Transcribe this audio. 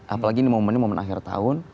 apalagi ini momen momen akhir tahun